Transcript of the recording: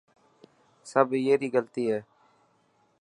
سب ائي ري غلطي هي.